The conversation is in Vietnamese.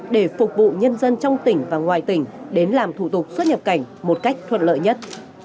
để phục vụ nhân dân trong tỉnh và ngoài tỉnh đến làm thủ tục xuất nhập cảnh một cách thuận lợi nhất